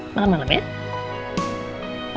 makan malam ya